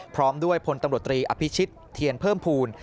พร้อมด้วยพลตำรวจตรีอภิชิตเทียนเพิ่มภูมิ